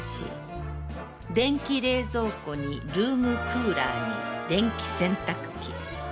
電気冷蔵庫にルウム・クウラアに電気洗濯機。